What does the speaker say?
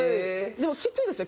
でもきついですよ。